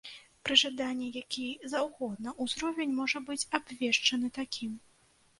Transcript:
Пры жаданні які заўгодна ўзровень можа быць абвешчаны такім.